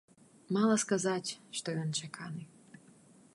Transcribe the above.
Мала сказаць, што ён чаканы.